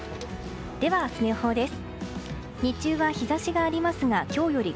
では、明日の予報です。